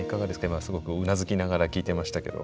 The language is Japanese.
今すごくうなずきながら聞いてましたけど。